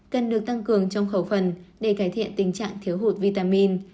cần được tăng cường trong khẩu phần để cải thiện tình trạng thiếu hụt vitamin